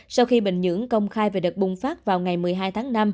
sau khi bình nhưỡng công khai về đợt bùng phát vào ngày một mươi hai tháng năm